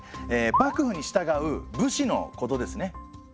幕府に従う武士のことですね。